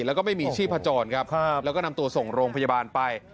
แล้วก็ไม่มีชีพจรครับแล้วก็นำตัวส่งโรงพยาบาลไป